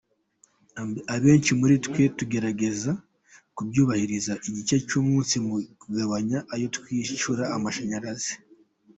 Abenshi muri twe tugerageza kubyubahiriza igice cy’umunsi mu kugabanya ayo twishyura amashanyarazi.